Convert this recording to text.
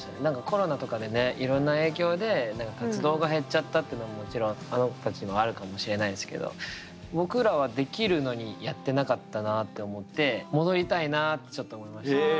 コロナとかでねいろんな影響で活動が減っちゃったってのももちろんあの子たちにもあるかもしれないですけどって思って戻りたいなあってちょっと思いましたね。